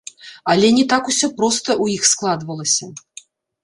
Але не так усё проста ў іх складвалася.